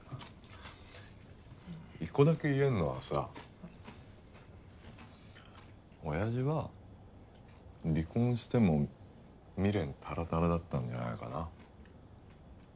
一個だけ言えるのはさおやじは離婚しても未練タラタラだったんじゃないかな。